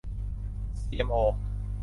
ซีเอ็มโอ